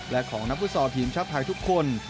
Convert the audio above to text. และของนักฟุตซอลทีมชาติไทยทุกคน